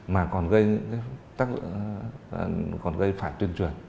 mà còn gây phản tuyên truyền